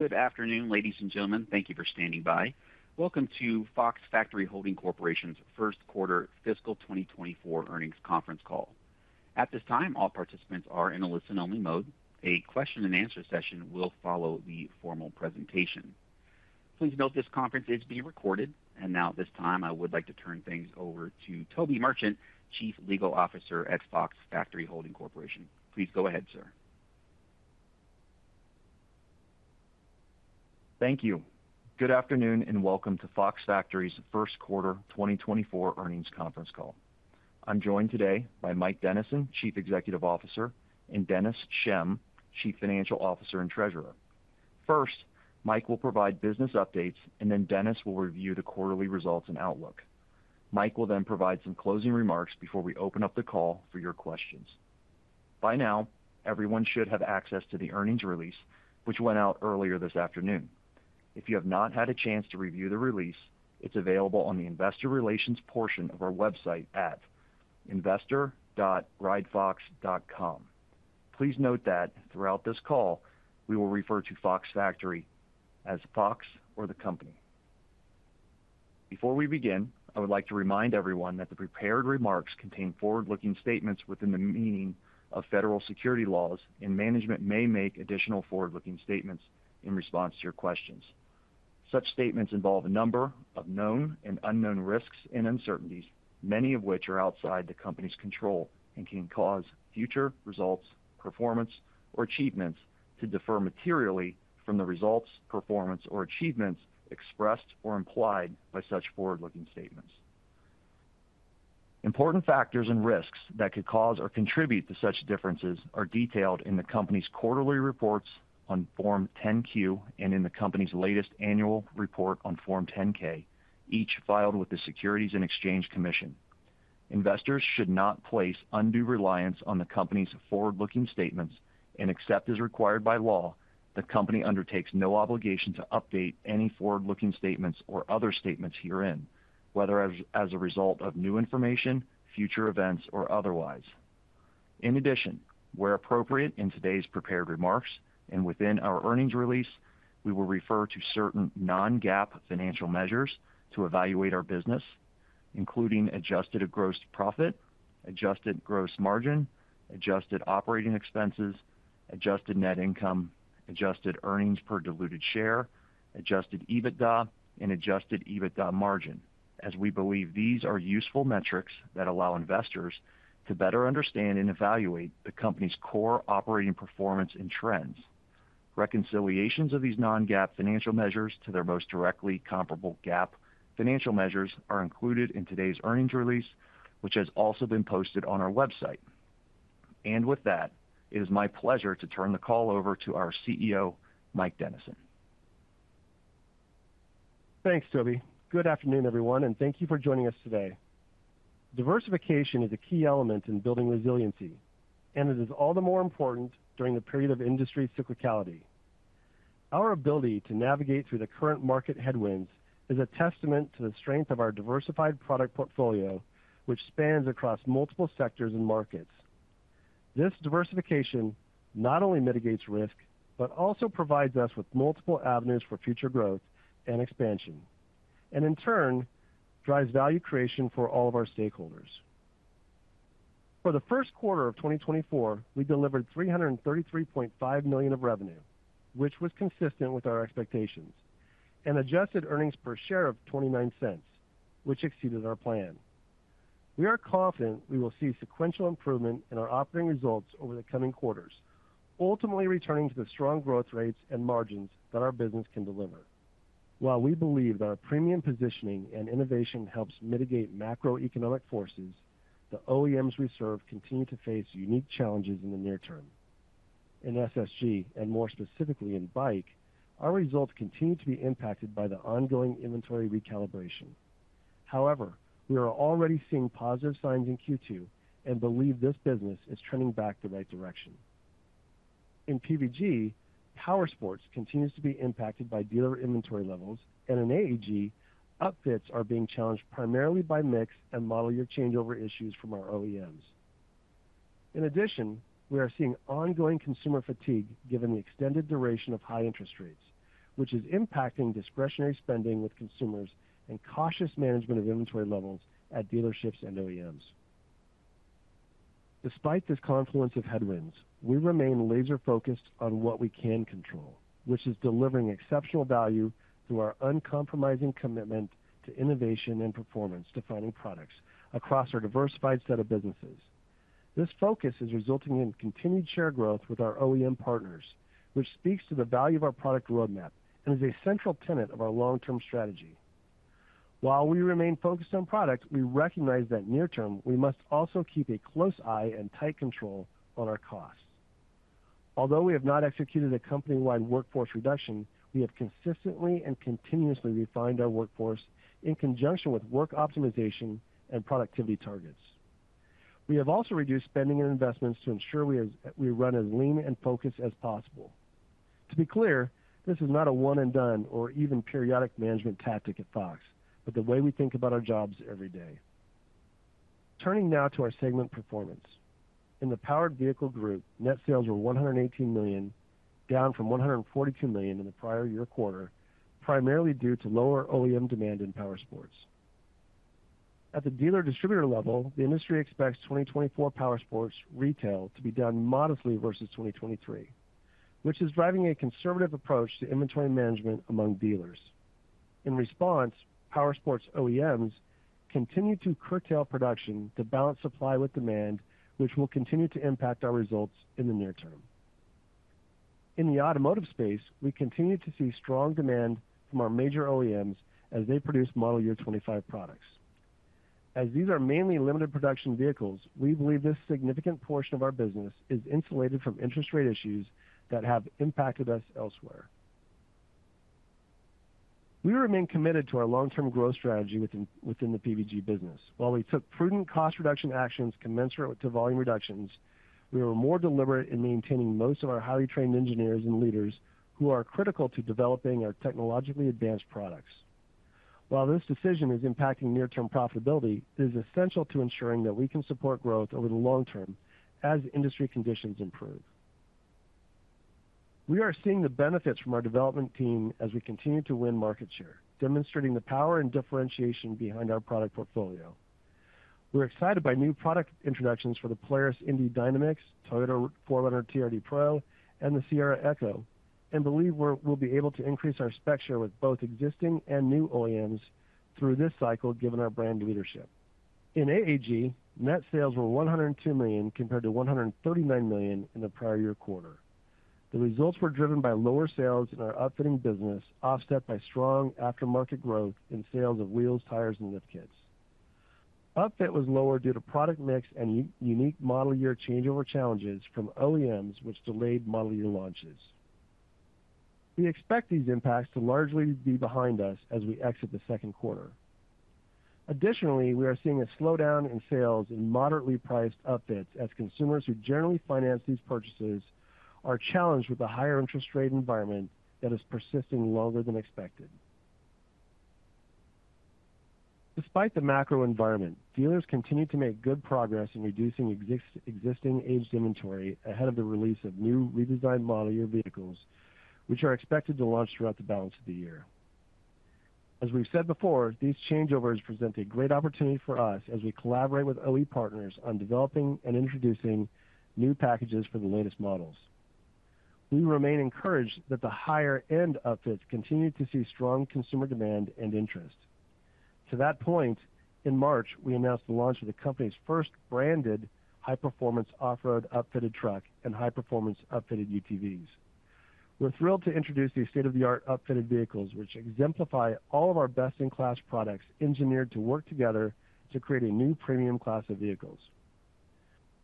Good afternoon, ladies and gentlemen. Thank you for standing by. Welcome to Fox Factory Holding Corporation's Q1 fiscal 2024 earnings conference call. At this time, all participants are in a listen-only mode. A question-and-answer session will follow the formal presentation. Please note this conference is being recorded. And now, at this time, I would like to turn things over to Toby Merchant, Chief Legal Officer at Fox Factory Holding Corporation. Please go ahead, sir. Thank you. Good afternoon and welcome to Fox Factory's Q1 2024 earnings conference call. I'm joined today by Mike Dennison, Chief Executive Officer, and Dennis Schemm, Chief Financial Officer and Treasurer. First, Mike will provide business updates, and then Dennis will review the quarterly results and outlook. Mike will then provide some closing remarks before we open up the call for your questions. By now, everyone should have access to the earnings release, which went out earlier this afternoon. If you have not had a chance to review the release, it's available on the investor relations portion of our website at investor.ridefox.com. Please note that throughout this call, we will refer to Fox Factory as Fox or the company. Before we begin, I would like to remind everyone that the prepared remarks contain forward-looking statements within the meaning of federal securities laws, and management may make additional forward-looking statements in response to your questions. Such statements involve a number of known and unknown risks and uncertainties, many of which are outside the company's control and can cause future results, performance, or achievements to differ materially from the results, performance, or achievements expressed or implied by such forward-looking statements. Important factors and risks that could cause or contribute to such differences are detailed in the company's quarterly reports on Form 10-Q and in the company's latest annual report on Form 10-K, each filed with the Securities and Exchange Commission. Investors should not place undue reliance on the company's forward-looking statements and accept, as required by law, the company undertakes no obligation to update any forward-looking statements or other statements herein, whether as a result of new information, future events, or otherwise. In addition, where appropriate in today's prepared remarks and within our earnings release, we will refer to certain non-GAAP financial measures to evaluate our business, including adjusted gross profit, adjusted gross margin, adjusted operating expenses, adjusted net income, adjusted earnings per diluted share, adjusted EBITDA, and adjusted EBITDA margin, as we believe these are useful metrics that allow investors to better understand and evaluate the company's core operating performance and trends. Reconciliations of these non-GAAP financial measures to their most directly comparable GAAP financial measures are included in today's earnings release, which has also been posted on our website. With that, it is my pleasure to turn the call over to our CEO, Mike Dennison. Thanks, Toby. Good afternoon, everyone, and thank you for joining us today. Diversification is a key element in building resiliency, and it is all the more important during the period of industry cyclicality. Our ability to navigate through the current market headwinds is a testament to the strength of our diversified product portfolio, which spans across multiple sectors and markets. This diversification not only mitigates risk but also provides us with multiple avenues for future growth and expansion, and in turn drives value creation for all of our stakeholders. For the Q1 of 2024, we delivered $333.5 million of revenue, which was consistent with our expectations, and adjusted earnings per share of $0.29, which exceeded our plan. We are confident we will see sequential improvement in our operating results over the coming quarters, ultimately returning to the strong growth rates and margins that our business can deliver. While we believe that our premium positioning and innovation helps mitigate macroeconomic forces, the OEMs we serve continue to face unique challenges in the near term. In SSG, and more specifically in Bike, our results continue to be impacted by the ongoing inventory recalibration. However, we are already seeing positive signs in Q2 and believe this business is trending back the right direction. In PVG, powersports continues to be impacted by dealer inventory levels, and in AAG, upfits are being challenged primarily by mix and model year changeover issues from our OEMs. In addition, we are seeing ongoing consumer fatigue given the extended duration of high interest rates, which is impacting discretionary spending with consumers and cautious management of inventory levels at dealerships and OEMs. Despite this confluence of headwinds, we remain laser-focused on what we can control, which is delivering exceptional value through our uncompromising commitment to innovation and performance-defining products across our diversified set of businesses. This focus is resulting in continued share growth with our OEM partners, which speaks to the value of our product roadmap and is a central tenet of our long-term strategy. While we remain focused on product, we recognize that near term, we must also keep a close eye and tight control on our costs. Although we have not executed a company-wide workforce reduction, we have consistently and continuously refined our workforce in conjunction with work optimization and productivity targets. We have also reduced spending and investments to ensure we run as lean and focused as possible. To be clear, this is not a one-and-done or even periodic management tactic at Fox, but the way we think about our jobs every day. Turning now to our segment performance. In the powered vehicle group, net sales were $118 million, down from $142 million in the prior year quarter, primarily due to lower OEM demand in powersports. At the dealer distributor level, the industry expects 2024 powersports retail to be down modestly versus 2023, which is driving a conservative approach to inventory management among dealers. In response, powersports OEMs continue to curtail production to balance supply with demand, which will continue to impact our results in the near term. In the automotive space, we continue to see strong demand from our major OEMs as they produce model year 2025 products. As these are mainly limited production vehicles, we believe this significant portion of our business is insulated from interest rate issues that have impacted us elsewhere. We remain committed to our long-term growth strategy within the PVG business. While we took prudent cost reduction actions commensurate with volume reductions, we were more deliberate in maintaining most of our highly trained engineers and leaders who are critical to developing our technologically advanced products. While this decision is impacting near-term profitability, it is essential to ensuring that we can support growth over the long term as industry conditions improve. We are seeing the benefits from our development team as we continue to win market share, demonstrating the power and differentiation behind our product portfolio. We're excited by new product introductions for the Polaris Indy Dynamix, Toyota 4Runner TRD Pro, and the Sierra AT4, and believe we'll be able to increase our spec share with both existing and new OEMs through this cycle given our brand leadership. In AAG, net sales were $102 million compared to $139 million in the prior year quarter. The results were driven by lower sales in our upfitting business, offset by strong aftermarket growth in sales of wheels, tires, and lift kits. Upfit was lower due to product mix and unique model year changeover challenges from OEMs, which delayed model year launches. We expect these impacts to largely be behind us as we exit the Q2. Additionally, we are seeing a slowdown in sales in moderately priced upfits as consumers who generally finance these purchases are challenged with a higher interest rate environment that is persisting longer than expected. Despite the macro environment, dealers continue to make good progress in reducing existing aged inventory ahead of the release of new redesigned model year vehicles, which are expected to launch throughout the balance of the year. As we've said before, these changeovers present a great opportunity for us as we collaborate with OE partners on developing and introducing new packages for the latest models. We remain encouraged that the higher-end upfits continue to see strong consumer demand and interest. To that point, in March, we announced the launch of the company's first branded high-performance off-road upfitted truck and high-performance upfitted UTVs. We're thrilled to introduce these state-of-the-art upfitted vehicles, which exemplify all of our best-in-class products engineered to work together to create a new premium class of vehicles.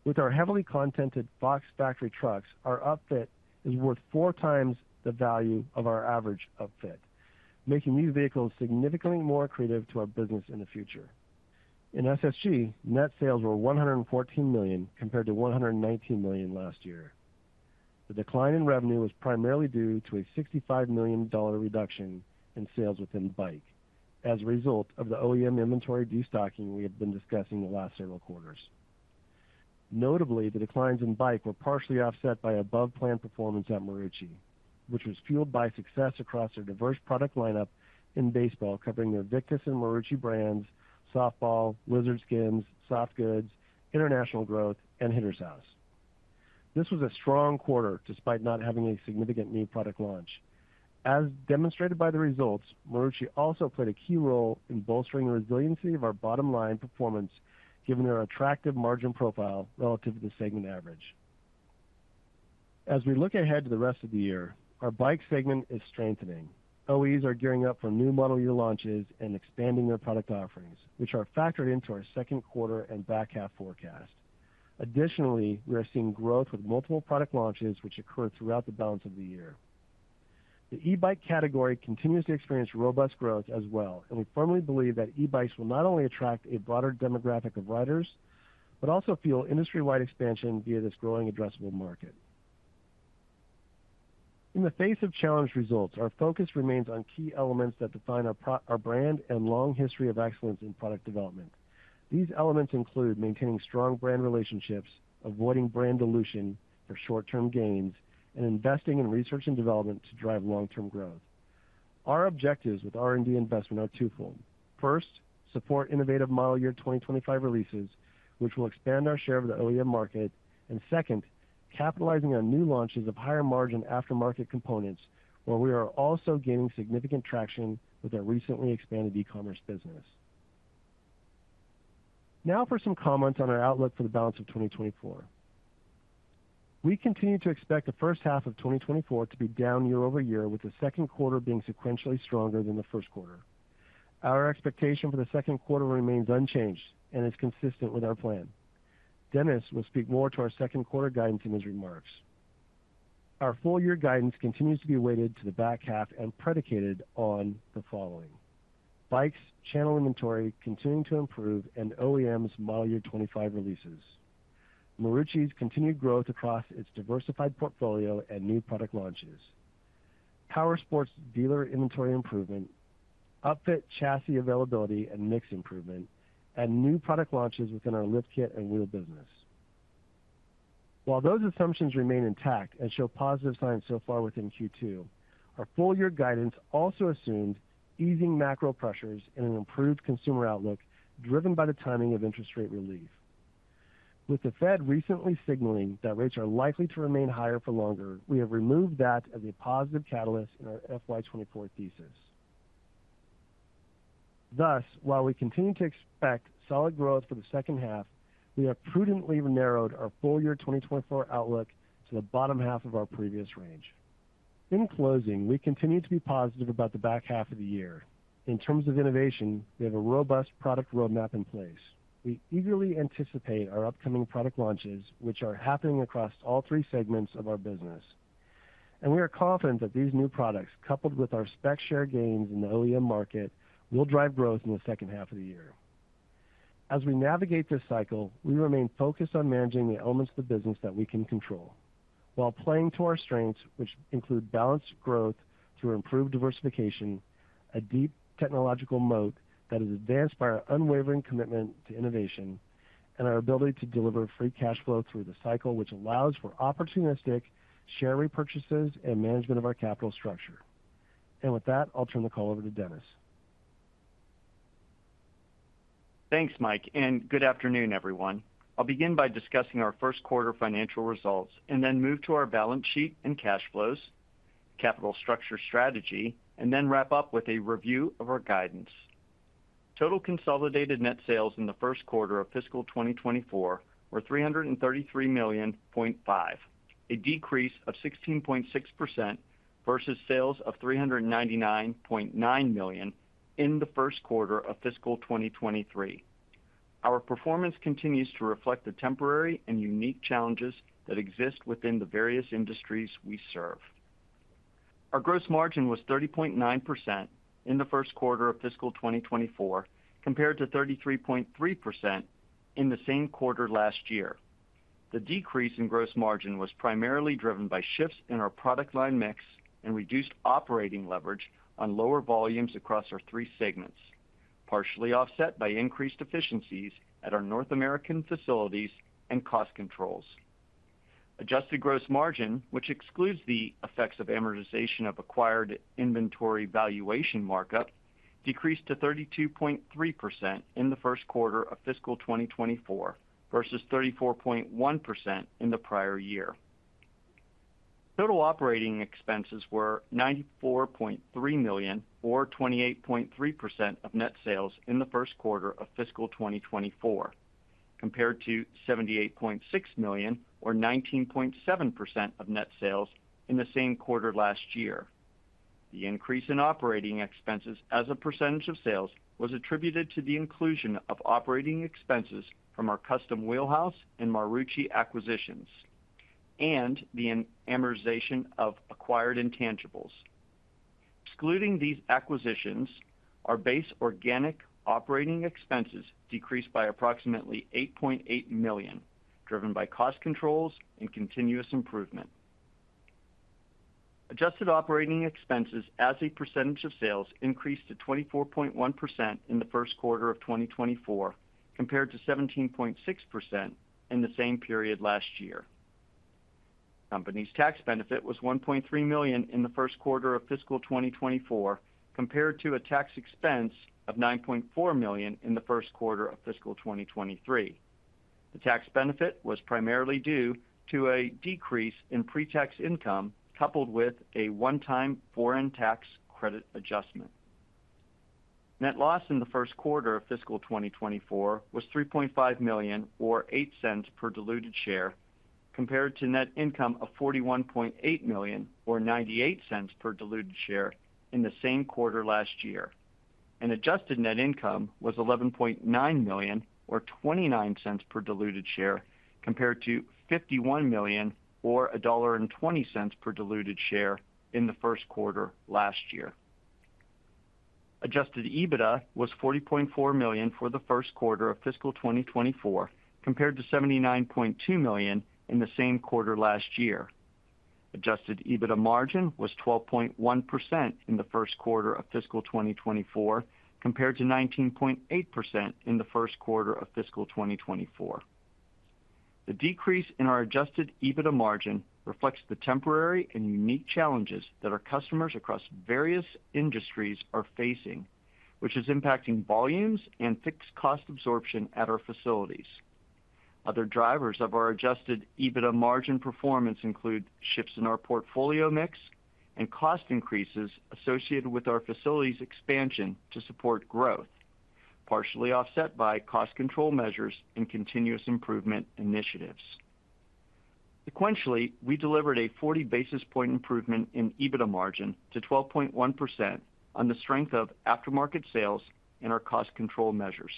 With our heavily configured Fox Factory trucks, our upfit is worth four times the value of our average upfit, making these vehicles significantly more creative to our business in the future. In SSG, net sales were $114 million compared to $119 million last year. The decline in revenue was primarily due to a $65 million reduction in sales within Bike as a result of the OEM inventory destocking we have been discussing the last several quarters. Notably, the declines in Bike were partially offset by above-plan performance at Marucci, which was fueled by success across their diverse product lineup in baseball, covering their Victus and Marucci brands, softball, Lizard Skins, soft goods, international growth, and Hitter's House. This was a strong quarter despite not having a significant new product launch. As demonstrated by the results, Marucci also played a key role in bolstering the resiliency of our bottom-line performance given their attractive margin profile relative to the segment average. As we look ahead to the rest of the year, our bike segment is strengthening. OEs are gearing up for new model year launches and expanding their product offerings, which are factored into our Q2 and back half forecast. Additionally, we are seeing growth with multiple product launches, which occur throughout the balance of the year. The e-bike category continues to experience robust growth as well, and we firmly believe that e-bikes will not only attract a broader demographic of riders but also fuel industry-wide expansion via this growing addressable market. In the face of challenged results, our focus remains on key elements that define our brand and long history of excellence in product development. These elements include maintaining strong brand relationships, avoiding brand dilution for short-term gains, and investing in research and development to drive long-term growth. Our objectives with R&D investment are twofold. First, support innovative model year 2025 releases, which will expand our share of the OEM market. And second, capitalizing on new launches of higher-margin aftermarket components, where we are also gaining significant traction with our recently expanded e-commerce business. Now for some comments on our outlook for the balance of 2024. We continue to expect the H1 of 2024 to be down year-over-year, with the Q2 being sequentially stronger than the Q1. Our expectation for the Q2 remains unchanged and is consistent with our plan. Dennis will speak more to our Q2 guidance in his remarks. Our full-year guidance continues to be weighted to the back half and predicated on the following: Bike's channel inventory continuing to improve and OEM's model year 2025 releases; Marucci's continued growth across its diversified portfolio and new product launches; powersports dealer inventory improvement; upfit chassis availability and mix improvement; and new product launches within our lift kit and wheel business. While those assumptions remain intact and show positive signs so far within Q2, our full-year guidance also assumed easing macro pressures and an improved consumer outlook driven by the timing of interest rate relief. With the Fed recently signaling that rates are likely to remain higher for longer, we have removed that as a positive catalyst in our FY 2024 thesis. Thus, while we continue to expect solid growth for the H2, we have prudently narrowed our full-year 2024 outlook to the bottom half of our previous range. In closing, we continue to be positive about the back half of the year. In terms of innovation, we have a robust product roadmap in place. We eagerly anticipate our upcoming product launches, which are happening across all three segments of our business. We are confident that these new products, coupled with our spec share gains in the OEM market, will drive growth in the H2 of the year. As we navigate this cycle, we remain focused on managing the elements of the business that we can control, while playing to our strengths, which include balanced growth through improved diversification, a deep technological moat that is advanced by our unwavering commitment to innovation, and our ability to deliver free cash flow through the cycle, which allows for opportunistic share repurchases and management of our capital structure. With that, I'll turn the call over to Dennis. Thanks, Mike, and good afternoon, everyone. I'll begin by discussing our Q1 financial results and then move to our balance sheet and cash flows, capital structure strategy, and then wrap up with a review of our guidance. Total consolidated net sales in the Q1 of fiscal 2024 were $333.5 million, a decrease of 16.6% versus sales of $399.9 million in the Q1 of fiscal 2023. Our performance continues to reflect the temporary and unique challenges that exist within the various industries we serve. Our gross margin was 30.9% in the Q1 of fiscal 2024 compared to 33.3% in the same quarter last year. The decrease in gross margin was primarily driven by shifts in our product line mix and reduced operating leverage on lower volumes across our three segments, partially offset by increased efficiencies at our North American facilities and cost controls. Adjusted gross margin, which excludes the effects of amortization of acquired inventory valuation markup, decreased to 32.3% in the Q1 of fiscal 2024 versus 34.1% in the prior year. Total operating expenses were $94.3 million or 28.3% of net sales in the Q1 of fiscal 2024 compared to $78.6 million or 19.7% of net sales in the same quarter last year. The increase in operating expenses as a percentage of sales was attributed to the inclusion of operating expenses from our Custom Wheel House and Marucci acquisitions and the amortization of acquired intangibles. Excluding these acquisitions, our base organic operating expenses decreased by approximately $8.8 million, driven by cost controls and continuous improvement. Adjusted operating expenses as a percentage of sales increased to 24.1% in the Q1 of 2024 compared to 17.6% in the same period last year. Company's tax benefit was $1.3 million in the Q1 of fiscal 2024 compared to a tax expense of $9.4 million in the Q1 of fiscal 2023. The tax benefit was primarily due to a decrease in pre-tax income coupled with a one-time foreign tax credit adjustment. Net loss in the Q1 of fiscal 2024 was $3.5 million or $0.08 per diluted share compared to net income of $41.8 million or $0.98 per diluted share in the same quarter last year. Adjusted net income was $11.9 million or $0.29 per diluted share compared to $51 million or $1.20 per diluted share in the Q1 last year. Adjusted EBITDA was $40.4 million for the Q1 of fiscal 2024 compared to $79.2 million in the same quarter last year. Adjusted EBITDA margin was 12.1% in the Q1 of fiscal 2024 compared to 19.8% in the Q1 of fiscal 2024. The decrease in our adjusted EBITDA margin reflects the temporary and unique challenges that our customers across various industries are facing, which is impacting volumes and fixed cost absorption at our facilities. Other drivers of our adjusted EBITDA margin performance include shifts in our portfolio mix and cost increases associated with our facility's expansion to support growth, partially offset by cost control measures and continuous improvement initiatives. Sequentially, we delivered a 40 basis point improvement in EBITDA margin to 12.1% on the strength of aftermarket sales and our cost control measures.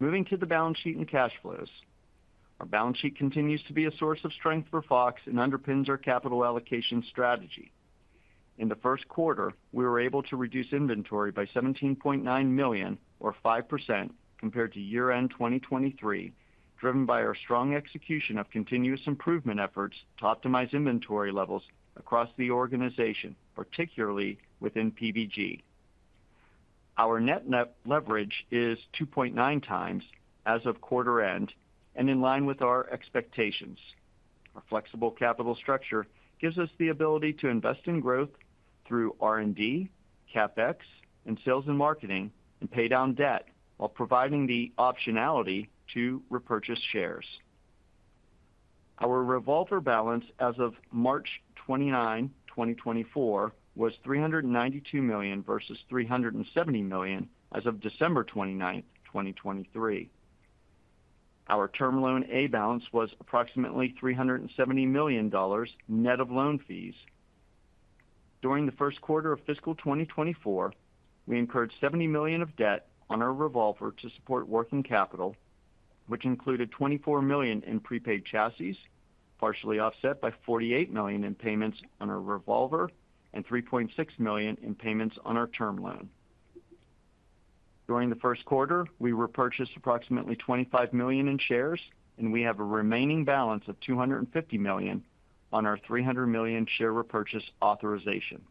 Moving to the balance sheet and cash flows, our balance sheet continues to be a source of strength for Fox and underpins our capital allocation strategy. In the Q1, we were able to reduce inventory by $17.9 million or 5% compared to year-end 2023, driven by our strong execution of continuous improvement efforts to optimize inventory levels across the organization, particularly within PVG. Our net leverage is 2.9 times as of quarter end and in line with our expectations. Our flexible capital structure gives us the ability to invest in growth through R&D, CapEx, and sales and marketing, and pay down debt while providing the optionality to repurchase shares. Our revolver balance as of March 29, 2024, was $392 million versus $370 million as of December 29, 2023. Our Term Loan A balance was approximately $370 million net of loan fees. During the Q1 of fiscal 2024, we incurred $70 million of debt on our revolver to support working capital, which included $24 million in prepaid chassis, partially offset by $48 million in payments on our revolver and $3.6 million in payments on our Term Loan. During the Q1, we repurchased approximately $25 million in shares, and we have a remaining balance of $250 million on our $300 million share repurchase authorization.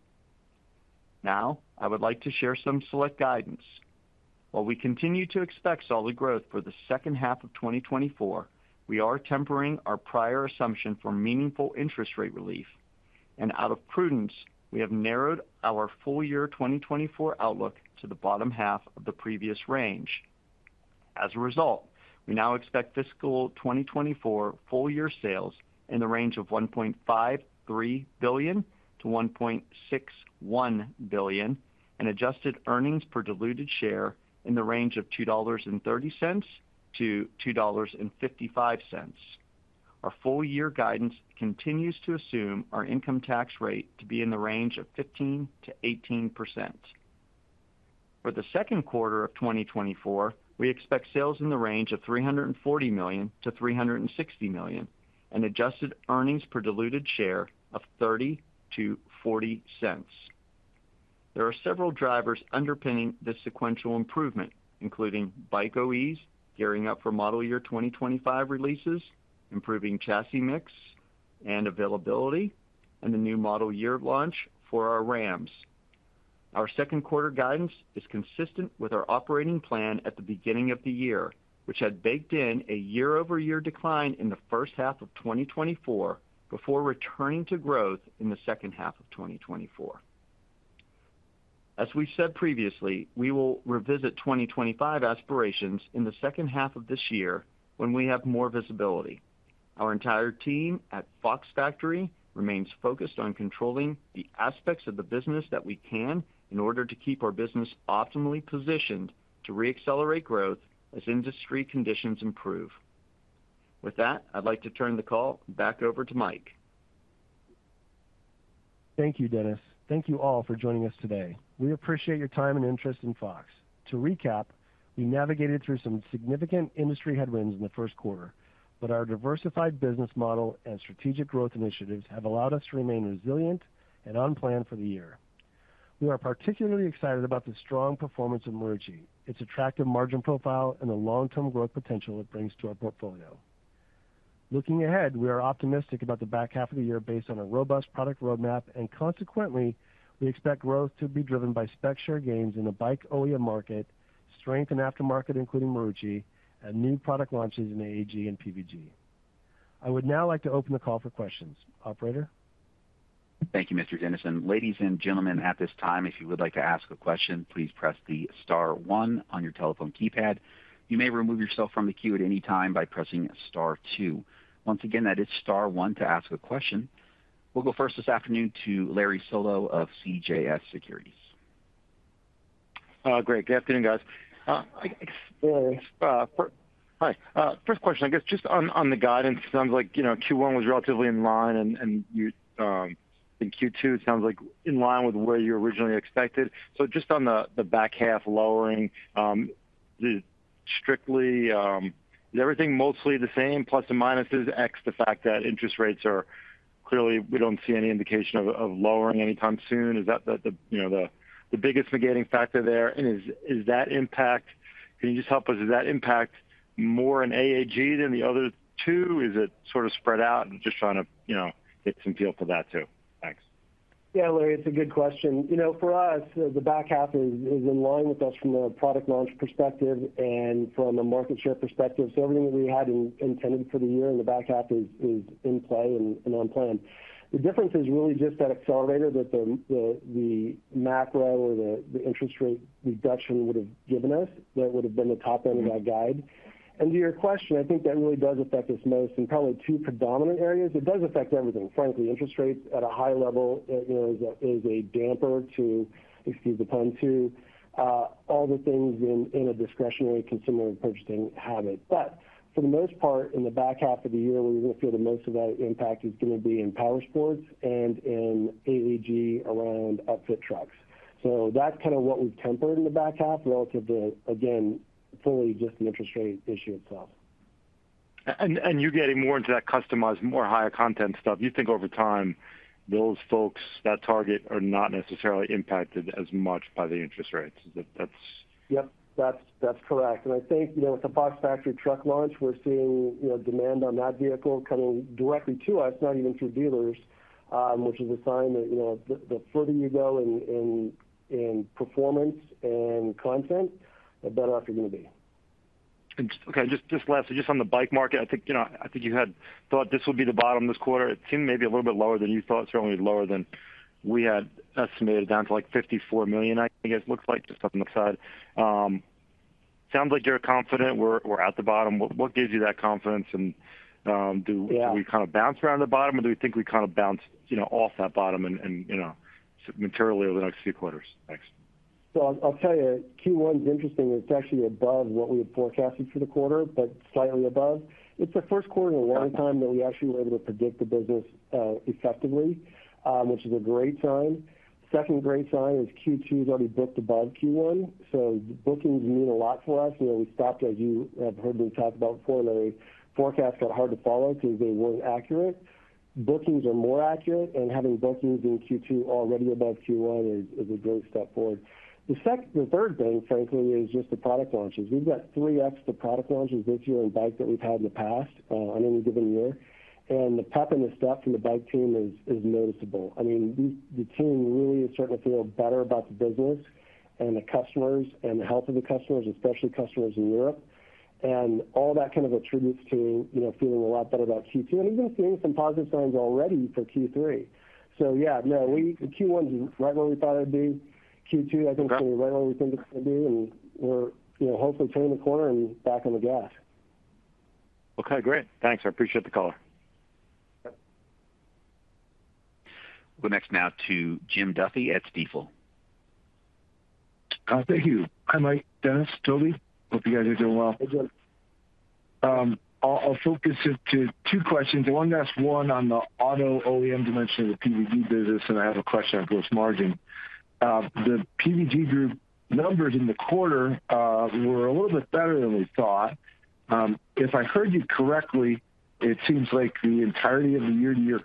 Now, I would like to share some select guidance. While we continue to expect solid growth for the H2 of 2024, we are tempering our prior assumption for meaningful interest rate relief. Out of prudence, we have narrowed our full-year 2024 outlook to the bottom half of the previous range. As a result, we now expect fiscal 2024 full-year sales in the range of $1.53 billion-$1.61 billion and adjusted earnings per diluted share in the range of $2.30-$2.55. Our full-year guidance continues to assume our income tax rate to be in the range of 15%-18%. For the Q2 of 2024, we expect sales in the range of $340 million-$360 million and adjusted earnings per diluted share of $0.30-$0.40. There are several drivers underpinning this sequential improvement, including Bike OEs gearing up for model year 2025 releases, improving chassis mix and availability, and the new model year launch for our Rams. Our Q2 guidance is consistent with our operating plan at the beginning of the year, which had baked in a year-over-year decline in the H2 of 2024 before returning to growth in the H2 of 2024. As we've said previously, we will revisit 2025 aspirations in the H2 of this year when we have more visibility. Our entire team at Fox Factory remains focused on controlling the aspects of the business that we can in order to keep our business optimally positioned to reaccelerate growth as industry conditions improve. With that, I'd like to turn the call back over to Mike. Thank you, Dennis. Thank you all for joining us today. We appreciate your time and interest in Fox. To recap, we navigated through some significant industry headwinds in the Q1, but our diversified business model and strategic growth initiatives have allowed us to remain resilient and on plan for the year. We are particularly excited about the strong performance of Marucci, its attractive margin profile, and the long-term growth potential it brings to our portfolio. Looking ahead, we are optimistic about the back half of the year based on a robust product roadmap. Consequently, we expect growth to be driven by spec share gains in the Bike OEM market, strength in aftermarket including Marucci, and new product launches in AG and PVG. I would now like to open the call for questions. Operator? Thank you, Mr. Dennison. Ladies and gentlemen, at this time, if you would like to ask a question, please press the star one on your telephone keypad. You may remove yourself from the queue at any time by pressing star two. Once again, that is star one to ask a question. We'll go first this afternoon to Larry Solow of CJS Securities. Great. Good afternoon, guys. Hi. First question, I guess, just on the guidance. It sounds like Q1 was relatively in line, and in Q2, it sounds like in line with where you originally expected. So just on the back half, lowering strictly, is everything mostly the same, plus and minuses, ex the fact that interest rates are clearly we don't see any indication of lowering anytime soon. Is that the biggest negating factor there? And can you just help us? Is that impact more in AAG than the other two? Is it sort of spread out? I'm just trying to get some feel for that too. Thanks. Yeah, Larry, it's a good question. For us, the back half is in line with us from a product launch perspective and from a market share perspective. So everything that we had intended for the year in the back half is in play and on plan. The difference is really just that accelerator that the macro or the interest rate reduction would have given us that would have been the top end of that guide. And to your question, I think that really does affect us most in probably two predominant areas. It does affect everything, frankly. Interest rates at a high level is a damper to, excuse the pun, to all the things in a discretionary consumer purchasing habit. But for the most part, in the back half of the year, where you're going to feel the most of that impact is going to be in powersports and in AAG around upfit trucks. So that's kind of what we've tempered in the back half relative to, again, fully just the interest rate issue itself. And you're getting more into that customized, more higher content stuff. You think over time, those folks, that target, are not necessarily impacted as much by the interest rates. Is that? Yep, that's correct. And I think with the Fox Factory truck launch, we're seeing demand on that vehicle coming directly to us, not even through dealers, which is a sign that the further you go in performance and content, the better off you're going to be. Okay, just last, just on the bike market, I think you had thought this would be the bottom this quarter. It seemed maybe a little bit lower than you thought, certainly lower than we had estimated, down to like $54 million, I guess it looks like, just up on the side. Sounds like you're confident we're at the bottom. What gives you that confidence? And do we kind of bounce around the bottom, or do we think we kind of bounce off that bottom materially over the next few quarters? Thanks. So I'll tell you, Q1's interesting. It's actually above what we had forecasted for the quarter, but slightly above. It's the Q1 in a long time that we actually were able to predict the business effectively, which is a great sign. Second great sign is Q2's already booked above Q1. So bookings mean a lot for us. We stopped, as you have heard me talk about before, Larry, forecasts got hard to follow because they weren't accurate. Bookings are more accurate, and having bookings in Q2 already above Q1 is a great step forward. The third thing, frankly, is just the product launches. We've got 3x the product launches this year in bike that we've had in the past on any given year. And the pep and the step from the bike team is noticeable. I mean, the team really is starting to feel better about the business and the customers and the health of the customers, especially customers in Europe. And all that kind of attributes to feeling a lot better about Q2 and even seeing some positive signs already for Q3. So yeah, no, Q1's right where we thought it would be. Q2, I think, is going to be right where we think it's going to be. And we're hopefully turning the corner and back on the gas. Okay, great. Thanks. I appreciate the color. We'll next now to Jim Duffy at Stifel. Thank you. Hi, Mike. Dennis, Toby, hope you guys are doing well. Hey, Jim. I'll focus it to two questions. I want to ask one on the auto OEM dimension of the PVG business, and I have a question on gross margin. The PVG group numbers in the quarter were a little bit better than we thought. If I heard you correctly, it seems like the entirety of the year-to-year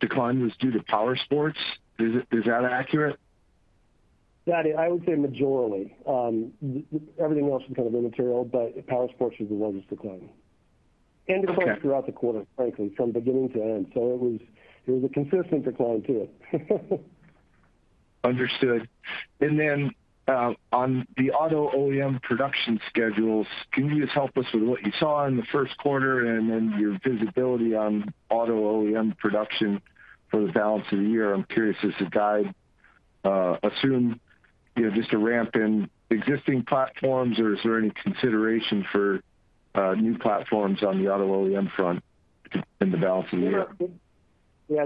decline was due to powersports. Is that accurate? That is, I would say majorly. Everything else was kind of immaterial, but powersports was the largest decline, and of course throughout the quarter, frankly, from beginning to end. So it was a consistent decline too. Understood. And then on the auto OEM production schedules, can you just help us with what you saw in the Q1 and then your visibility on auto OEM production for the balance of the year? I'm curious, does the guide assume just a ramp in existing platforms, or is there any consideration for new platforms on the auto OEM front in the balance of the year? Yeah,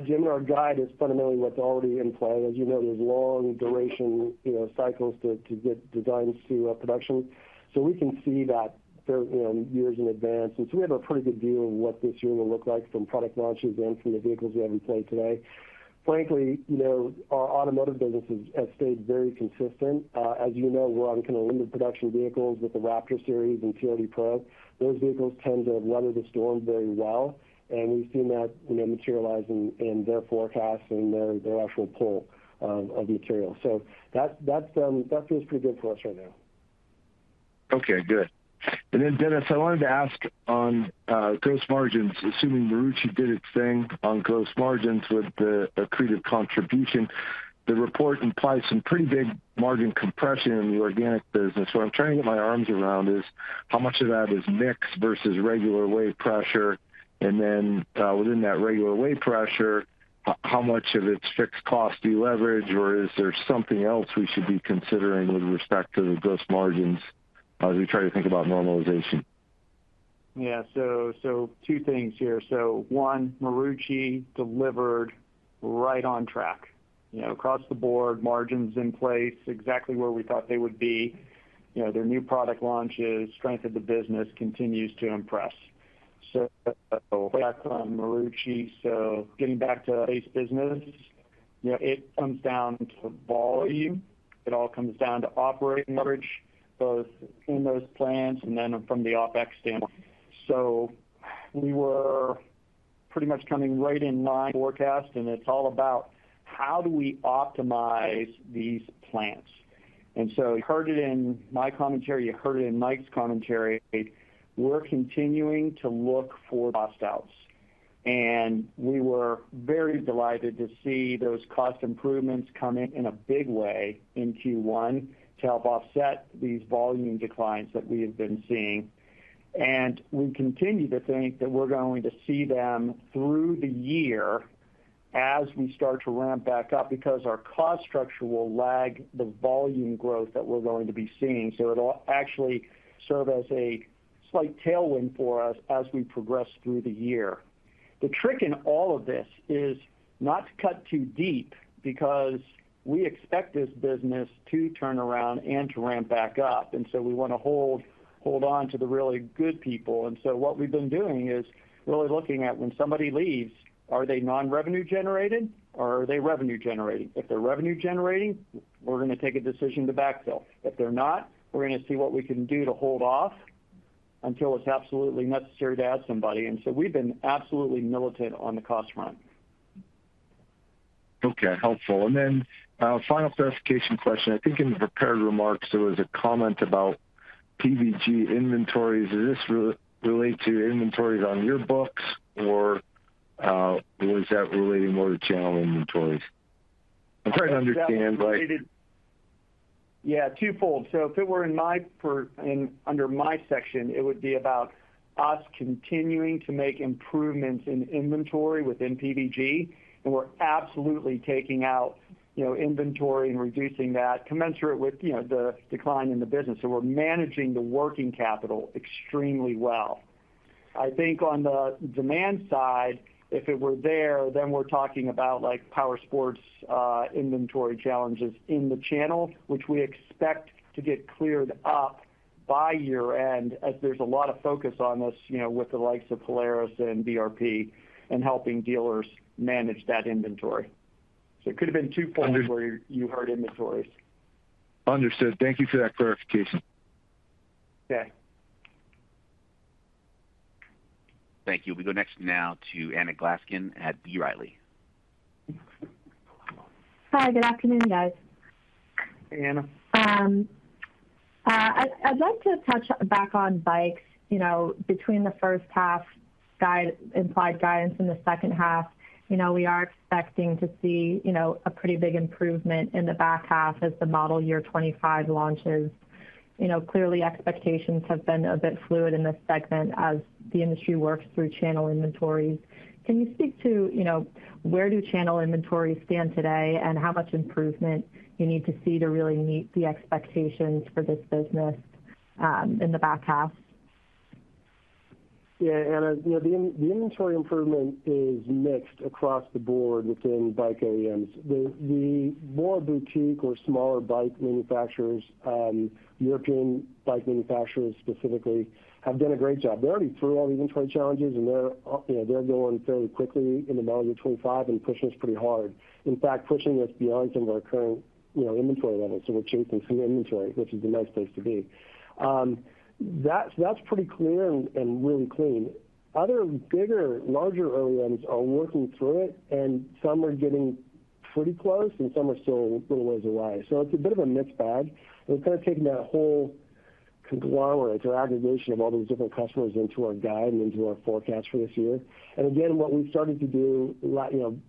Jim, our guide is fundamentally what's already in play. As you know, there's long duration cycles to get designs to production. So we can see that years in advance. We have a pretty good view of what this year will look like from product launches and from the vehicles we have in play today. Frankly, our automotive business has stayed very consistent. As you know, we're on kind of limited production vehicles with the Raptor series and TRD Pro. Those vehicles tend to weather the storm very well. We've seen that materialize in their forecasts and their actual pull of material. So that feels pretty good for us right now. Okay, good. And then, Dennis, I wanted to ask on gross margins. Assuming Marucci did its thing on gross margins with the accretive contribution, the report implies some pretty big margin compression in the organic business. What I'm trying to get my arms around is how much of that is mix versus raw material pressure? And then within that raw material pressure, how much of it is fixed cost do you leverage, or is there something else we should be considering with respect to the gross margins as we try to think about normalization? Yeah, so two things here. So one, Marucci delivered right on track. Across the board, margins in place, exactly where we thought they would be. Their new product launches, strength of the business continues to impress. So, backing out Marucci, getting back to base business, it comes down to volume. It all comes down to operating average, both in those plants and then from the OpEx standpoint. So we were pretty much coming right in line. Forecast, and it's all about how do we optimize these plants? And so you heard it in my commentary. You heard it in Mike's commentary. We're continuing to look for cost outs. And we were very delighted to see those cost improvements come in a big way in Q1 to help offset these volume declines that we have been seeing. And we continue to think that we're going to see them through the year as we start to ramp back up because our cost structure will lag the volume growth that we're going to be seeing. So it'll actually serve as a slight tailwind for us as we progress through the year. The trick in all of this is not to cut too deep because we expect this business to turn around and to ramp back up. And so we want to hold on to the really good people. And so what we've been doing is really looking at when somebody leaves, are they non-revenue generated, or are they revenue generating? If they're revenue generating, we're going to take a decision to backfill. If they're not, we're going to see what we can do to hold off until it's absolutely necessary to add somebody. And so we've been absolutely militant on the cost front. Okay, helpful. And then final clarification question. I think in the prepared remarks, there was a comment about PVG inventories. Does this relate to inventories on your books, or was that relating more to channel inventories? I'm trying to understand. Yeah, twofold. So if it were under my section, it would be about us continuing to make improvements in inventory within PVG, and we're absolutely taking out inventory and reducing that, commensurate with the decline in the business. So we're managing the working capital extremely well. I think on the demand side, if it were there, then we're talking about powersports inventory challenges in the channel, which we expect to get cleared up by year-end as there's a lot of focus on this with the likes of Polaris and BRP and helping dealers manage that inventory. So it could have been twofold where you heard inventories. Understood. Thank you for that clarification. Okay. Thank you. We'll go next now to Anna Glaessgen at B. Riley. Hi, good afternoon, guys. Hey, Anna. I'd like to touch back on bikes. Between the H1, implied guidance, and the H2, we are expecting to see a pretty big improvement in the back half as the model year 2025 launches. Clearly, expectations have been a bit fluid in this segment as the industry works through channel inventories. Can you speak to where do channel inventories stand today and how much improvement you need to see to really meet the expectations for this business in the back half? Yeah, Anna. The inventory improvement is mixed across the board within bike OEMs. The more boutique or smaller bike manufacturers, European bike manufacturers specifically, have done a great job. They already through all the inventory challenges, and they're going fairly quickly in the model year 2025 and pushing us pretty hard, in fact, pushing us beyond some of our current inventory levels. So we're chasing some inventory, which is the nice place to be. That's pretty clear and really clean. Other bigger, larger OEMs are working through it, and some are getting pretty close, and some are still a little ways away. So it's a bit of a mixed bag. We've kind of taken that whole conglomerate or aggregation of all those different customers into our guide and into our forecast for this year. And again, what we started to do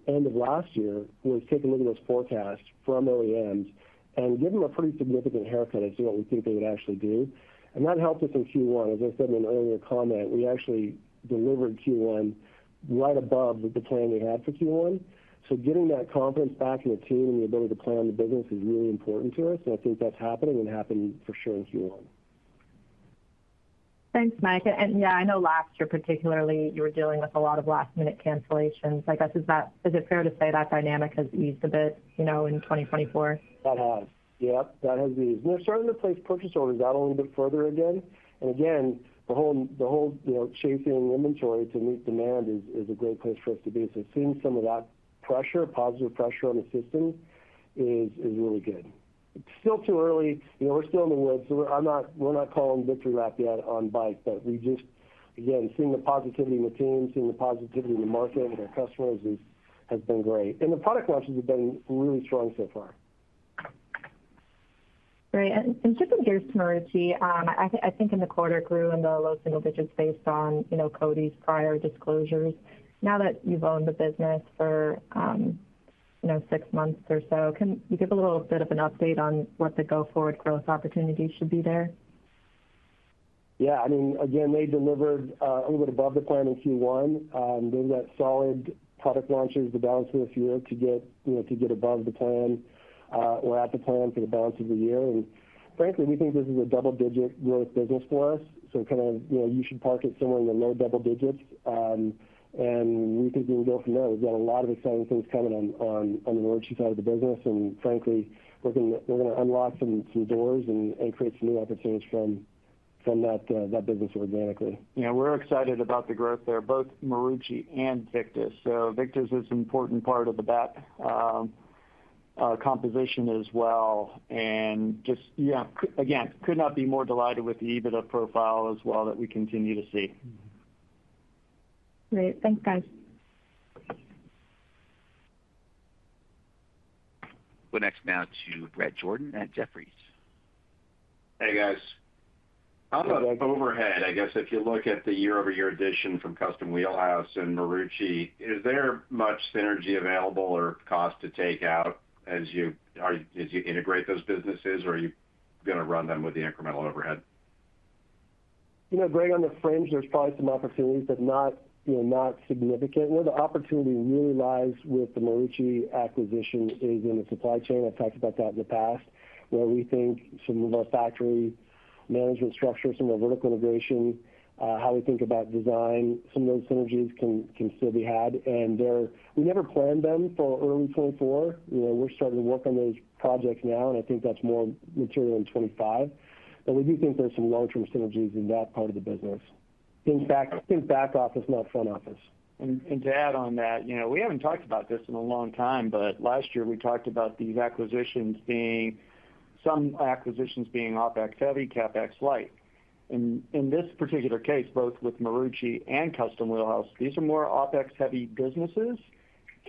end of last year was take a look at those forecasts from OEMs and give them a pretty significant haircut as to what we think they would actually do. And that helped us in Q1. As I said in an earlier comment, we actually delivered Q1 right above the plan we had for Q1. So getting that confidence back in the team and the ability to plan the business is really important to us. I think that's happening and happened for sure in Q1. Thanks, Mike. Yeah, I know last year, particularly, you were dealing with a lot of last-minute cancellations. I guess, is it fair to say that dynamic has eased a bit in 2024? That has. Yep, that has eased. They're starting to place purchase orders out a little bit further again. Again, the whole chasing inventory to meet demand is a great place for us to be. So seeing some of that pressure, positive pressure on the system, is really good. It's still too early. We're still in the woods. So we're not calling victory lap yet on bike. But again, seeing the positivity in the team, seeing the positivity in the market with our customers has been great. And the product launches have been really strong so far. Great. Shifting gears to Marucci, I think in the quarter grew in the low single digits based on Company's prior disclosures. Now that you've owned the business for six months or so, can you give a little bit of an update on what the go-forward growth opportunities should be there? Yeah. I mean, again, they delivered a little bit above the plan in Q1. They've got solid product launches, the balance of this year, to get above the plan or at the plan for the balance of the year. And frankly, we think this is a double-digit growth business for us. So kind of you should park it somewhere in the low double digits. And we think we can go from there. We've got a lot of exciting things coming on the Marucci side of the business. And frankly, we're going to unlock some doors and create some new opportunities from that business organically. Yeah, we're excited about the growth there, both Marucci and Victus. So Victus is an important part of the bat composition as well. And again, could not be more delighted with the EBITDA profile as well that we continue to see. Great. Thanks, guys. We'll next now to Bret Jordan at Jefferies. Hey, guys. How about overhead? I guess if you look at the year-over-year addition from Custom Wheel House and Marucci, is there much synergy available or cost to take out as you integrate those businesses, or are you going to run them with the incremental overhead? Bret, on the fringe, there's probably some opportunities, but not significant. Where the opportunity really lies with the Marucci acquisition is in the supply chain. I've talked about that in the past, where we think some of our factory management structure, some of our vertical integration, how we think about design, some of those synergies can still be had. We never planned them for early 2024. We're starting to work on those projects now, and I think that's more material in 2025. But we do think there's some long-term synergies in that part of the business. Think back office, not front office. To add on that, we haven't talked about this in a long time, but last year, we talked about these acquisitions being OpEx-heavy, CapEx-light. In this particular case, both with Marucci and Custom Wheel House, these are more OpEx-heavy businesses,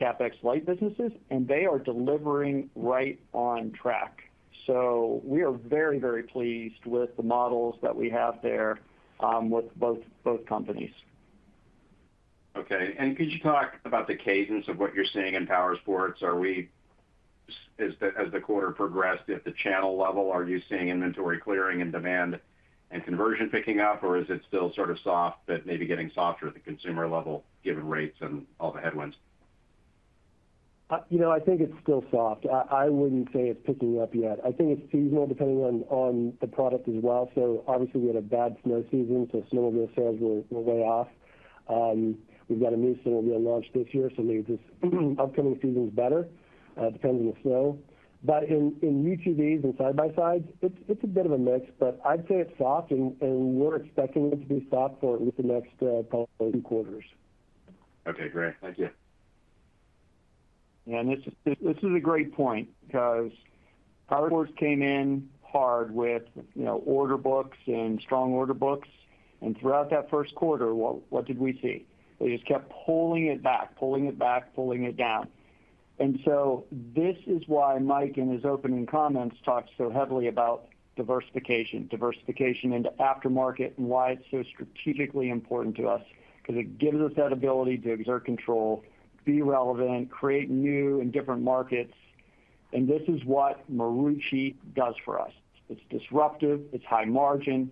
CapEx-light businesses, and they are delivering right on track. So we are very, very pleased with the models that we have there with both companies. Okay. Could you talk about the cadence of what you're seeing in powersports? As the quarter progressed, at the channel level, are you seeing inventory clearing and demand and conversion picking up, or is it still sort of soft but maybe getting softer at the consumer level given rates and all the headwinds? I think it's still soft. I wouldn't say it's picking up yet. I think it's seasonal, depending on the product as well. So obviously, we had a bad snow season, so snowmobile sales were way off. We've got a new snowmobile launch this year, so maybe this upcoming season's better. It depends on the snow. But in UTVs and side-by-sides, it's a bit of a mix. But I'd say it's soft, and we're expecting it to be soft for at least the next probably two quarters. Okay, great. Thank you. Yeah, and this is a great point because powersports came in hard with order books and strong order books. And throughout that Q1, what did we see? They just kept pulling it back, pulling it back, pulling it down. And so this is why Mike in his opening comments talked so heavily about diversification, diversification into aftermarket, and why it's so strategically important to us because it gives us that ability to exert control, be relevant, create new and different markets. And this is what Marucci does for us. It's disruptive. It's high-margin.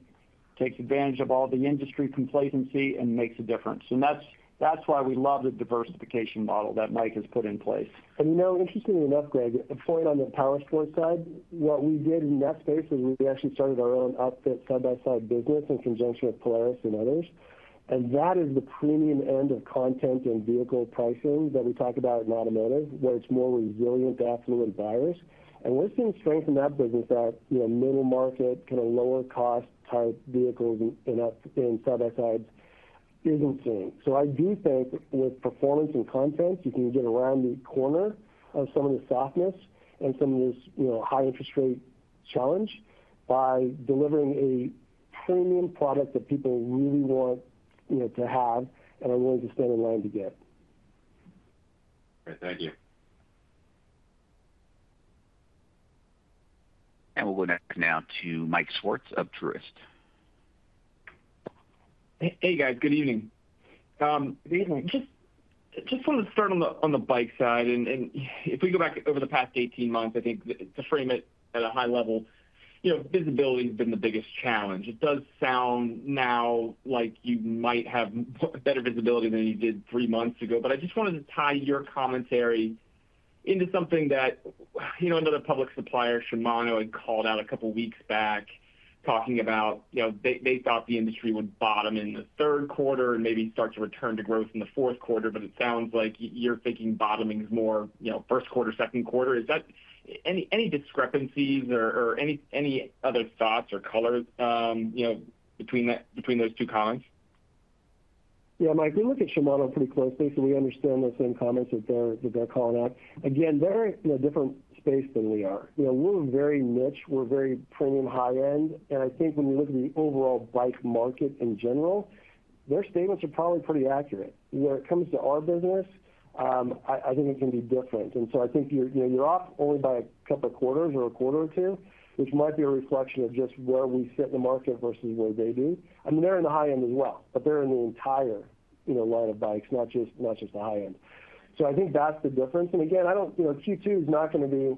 It takes advantage of all the industry complacency and makes a difference. And that's why we love the diversification model that Mike has put in place. Interestingly enough,, a point on the powersports side, what we did in that space was we actually started our own upfit side-by-side business in conjunction with Polaris and others. That is the premium end of content and vehicle pricing that we talk about in automotive, where it's more resilient to affluent buyers. We're seeing strength in that business that middle-market, kind of lower-cost type vehicles in side-by-sides isn't seeing. So I do think with performance and content, you can get around the corner of some of the softness and some of this high-interest rate challenge by delivering a premium product that people really want to have and are willing to stand in line to get. Great. Thank you. We'll go next now to Mike Swartz of Truist. Hey, guys. Good evening. Good evening. Just wanted to start on the bike side. If we go back over the past 18 months, I think to frame it at a high level, visibility has been the biggest challenge. It does sound now like you might have better visibility than you did three months ago. I just wanted to tie your commentary into something that another public supplier, Shimano, had called out a couple of weeks back talking about they thought the industry would bottom in the Q3 and maybe start to return to growth in the Q4. It sounds like you're thinking bottoming is more Q1, Q2. Any discrepancies or any other thoughts or colors between those two comments? Yeah, Mike, we look at Shimano pretty closely, so we understand those same comments that they're calling out. Again, they're in a different space than we are. We're very niche. We're very premium high-end. And I think when you look at the overall bike market in general, their statements are probably pretty accurate. Where it comes to our business, I think it can be different. And so I think you're off only by a couple of quarters or a quarter or two, which might be a reflection of just where we sit in the market versus where they do. I mean, they're in the high-end as well, but they're in the entire line of bikes, not just the high-end. So I think that's the difference. And again, Q2 is not going to be.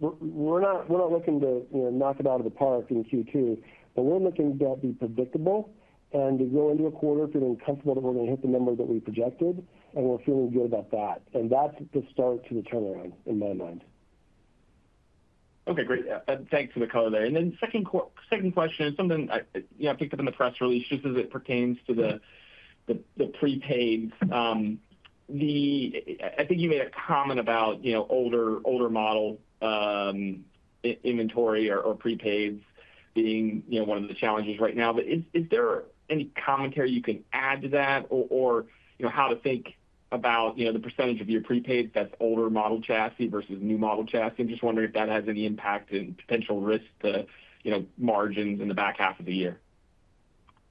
We're not looking to knock it out of the park in Q2, but we're looking to be predictable and to go into a quarter feeling comfortable that we're going to hit the number that we projected, and we're feeling good about that. That's the start to the turnaround in my mind. Okay, great. Thanks for the color there. Then second question is something I picked up in the press release just as it pertains to the prepaids. I think you made a comment about older model inventory or prepaids being one of the challenges right now. But is there any commentary you can add to that or how to think about the percentage of your prepaids that's older model chassis versus new model chassis? I'm just wondering if that has any impact and potential risk to margins in the back half of the year.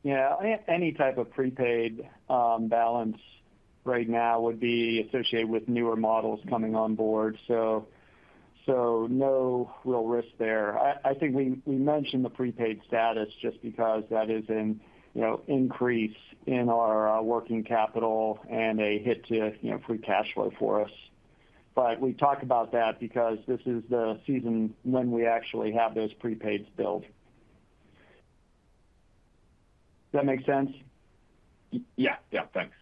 Yeah, any type of prepaid balance right now would be associated with newer models coming on board. So no real risk there. I think we mentioned the prepaid status just because that is an increase in our working capital and a hit to free cash flow for us. But we talk about that because this is the season when we actually have those prepaids billed. Does that make sense? Yeah. Yeah, thanks.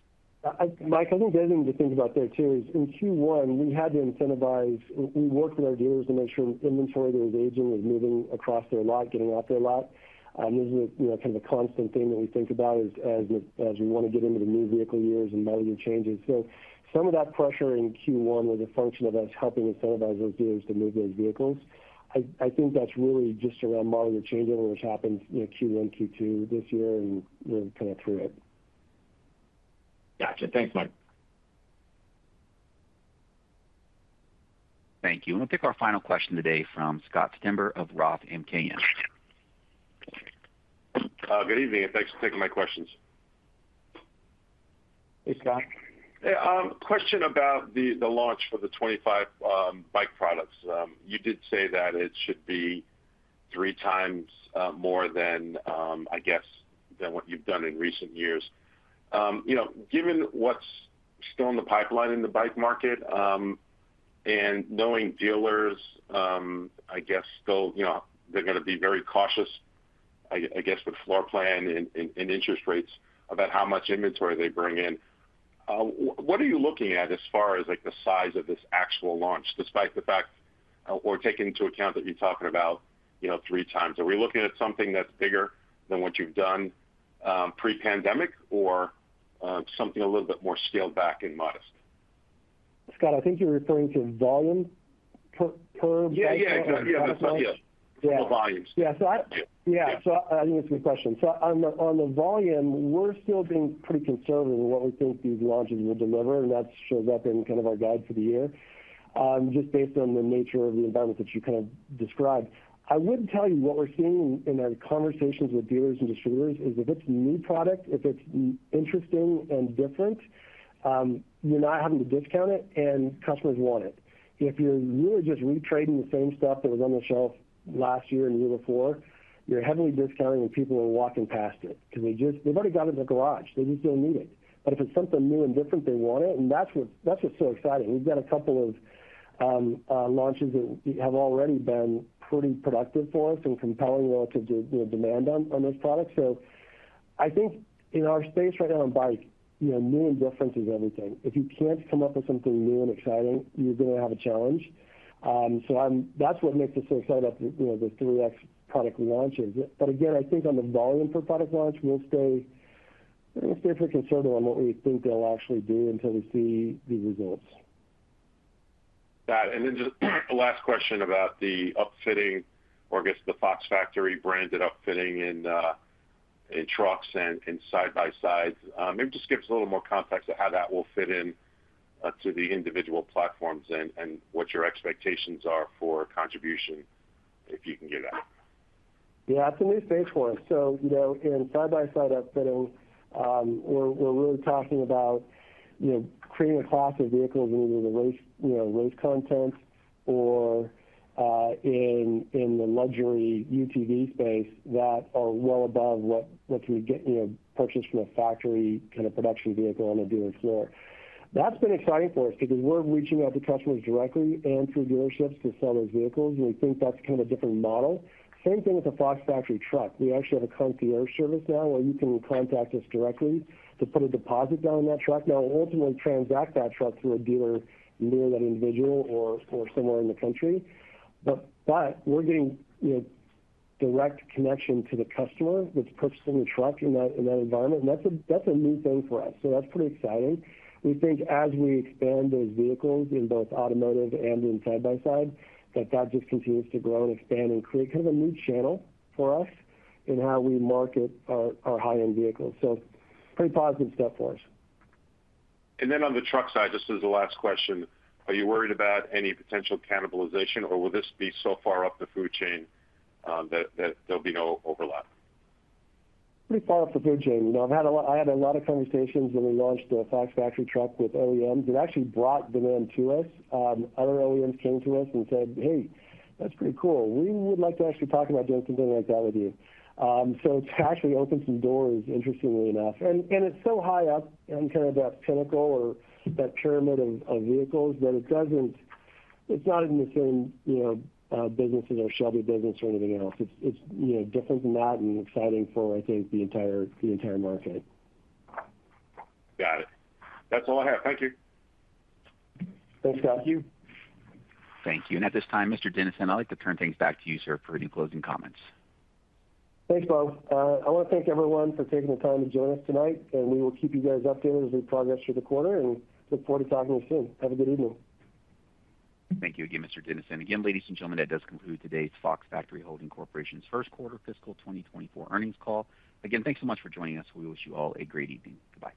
Mike, I think the other thing to think about there too is in Q1, we worked with our dealers to make sure inventory that was aging was moving across their lot, getting out their lot. And this is kind of a constant thing that we think about as we want to get into the new vehicle years and model year changes. So some of that pressure in Q1 was a function of us helping incentivize those dealers to move those vehicles. I think that's really just around model year changing, which happened Q1, Q2 this year, and we're kind of through it. Gotcha. Thanks, Mike. Thank you. We'll take our final question today from Scott Stember of Roth MKM. Good evening. Thanks for taking my questions. Hey, Scott. Hey, question about the launch for the 2025 bike products. You did say that it should be three times more than, I guess, than what you've done in recent years. Given what's still in the pipeline in the bike market and knowing dealers, I guess, they're going to be very cautious, I guess, with floor plan and interest rates about how much inventory they bring in, what are you looking at as far as the size of this actual launch despite the fact or taking into account that you're talking about three times? Are we looking at something that's bigger than what you've done pre-pandemic or something a little bit more scaled back and modest? Scott, I think you're referring to volume per bike launch? Yeah, yeah, exactly. Yeah, that's what I meant. Yeah, the volumes. Yeah, so I think it's a good question. So on the volume, we're still being pretty conservative in what we think these launches will deliver. And that shows up in kind of our guide for the year just based on the nature of the environment that you kind of described. I would tell you what we're seeing in our conversations with dealers and distributors is if it's a new product, if it's interesting and different, you're not having to discount it, and customers want it. If you're really just retrading the same stuff that was on the shelf last year and the year before, you're heavily discounting, and people are walking past it because they've already got it in the garage. They just don't need it. But if it's something new and different, they want it. And that's what's so exciting. We've got a couple of launches that have already been pretty productive for us and compelling relative to demand on those products. So I think in our space right now on bike, new and different is everything. If you can't come up with something new and exciting, you're going to have a challenge. So that's what makes us so excited about the 3X product launches. But again, I think on the volume per product launch, we'll stay pretty conservative on what we think they'll actually do until we see the results. Got it. Then just a last question about the upfitting or, I guess, the Fox Factory branded upfitting in trucks and side-by-sides. Maybe just give us a little more context of how that will fit into the individual platforms and what your expectations are for contribution if you can give that. Yeah, it's a new space for us. In side-by-side upfitting, we're really talking about creating a class of vehicles in either the race content or in the luxury UTV space that are well above what can be purchased from a factory kind of production vehicle on a dealer floor. That's been exciting for us because we're reaching out to customers directly and through dealerships to sell those vehicles. We think that's kind of a different model. Same thing with the Fox Factory truck. We actually have a concierge service now where you can contact us directly to put a deposit down on that truck, now ultimately transact that truck through a dealer near that individual or somewhere in the country. But we're getting direct connection to the customer that's purchasing the truck in that environment. And that's a new thing for us. So that's pretty exciting. We think as we expand those vehicles in both automotive and in side-by-side, that that just continues to grow and expand and create kind of a new channel for us in how we market our high-end vehicles. So pretty positive step for us. And then on the truck side, just as the last question, are you worried about any potential cannibalization, or will this be so far up the food chain that there'll be no overlap? Pretty far up the food chain. I've had a lot of conversations when we launched the Fox Factory truck with OEMs. It actually brought demand to us. Other OEMs came to us and said, "Hey, that's pretty cool. We would like to actually talk about doing something like that with you." So it's actually opened some doors, interestingly enough. And it's so high up on kind of that pinnacle or that pyramid of vehicles that it's not in the same business as our Shelby business or anything else. It's different than that and exciting for, I think, the entire market. Got it. That's all I have. Thank you. Thanks, Scott. Thank you. Thank you. And at this time, Mr. Dennison, I'd like to turn things back to you, sir, for any closing comments. Thanks, Bob. I want to thank everyone for taking the time to join us tonight. We will keep you guys updated as we progress through the quarter. Look forward to talking to you soon. Have a good evening. Thank you again, Mr. Dennison. Again, ladies and gentlemen, that does conclude today's Fox Factory Holding Corporation's Q1 fiscal 2024 earnings call. Again, thanks so much for joining us. We wish you all a great evening. Bye-bye.